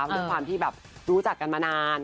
ด้วยความที่แบบรู้จักกันมานาน